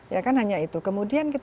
ya kan hanya itu kemudian kita lihat